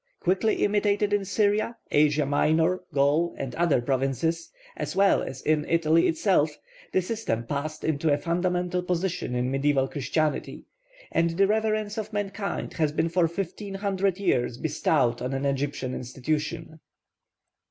Quickly imitated in Syria, Asia Minor, Gaul, and other provinces, as well as in Italy itself, the system passed into a fundamental position in mediaeval Christianity, and the reverence of mankind has been for fifteen hundred years bestowed on an Egyptian institution.